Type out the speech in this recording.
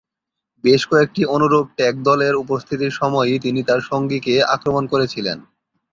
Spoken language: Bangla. বেশ কয়েকটি অনুরূপ ট্যাগ দলের উপস্থিতির সময়ই তিনি তার সঙ্গীকে আক্রমণ করেছিলেন।